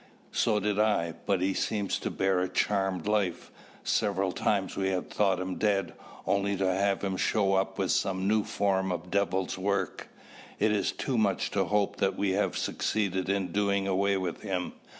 "So did I, but he seems to bear a charmed life. Several times we have thought him dead, only to have him show up with some new form of devil's work. It is too much to hope that we have succeeded in doing away with him.